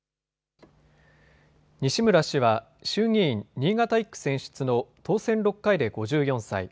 西村氏は衆議院新潟１区選出の当選６回で５４歳。